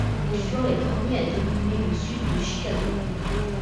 Ils furent les premiers à dominer le sud de Chicago.